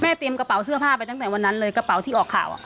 เตรียมกระเป๋าเสื้อผ้าไปตั้งแต่วันนั้นเลยกระเป๋าที่ออกข่าว